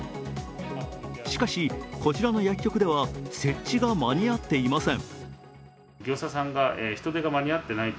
しかし、こちらの薬局では設置が間に合っていません。